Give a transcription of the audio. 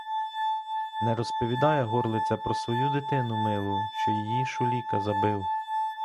Не розповідає горлиця про свою дитину милу, що її шуліка забив.